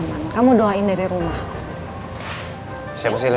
dulu kan aku pengen kasih ballpoint ini buat adi